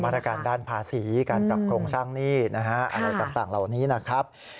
ตรการด้านภาษีการปรับโครงสร้างหนี้นะฮะอะไรต่างเหล่านี้นะครับ